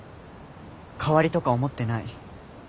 代わりとか思ってない。